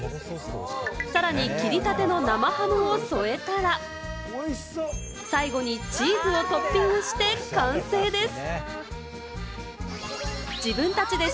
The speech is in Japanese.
さらに切りたての生ハムを添えたら、最後にチーズをトッピングして完成です。